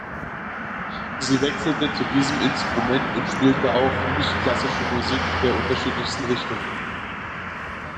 Sie wechselte zu diesem Instrument und spielte auch nicht-klassische Musik der unterschiedlichsten Richtungen.